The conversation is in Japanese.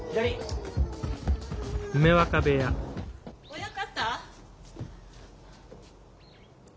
親方。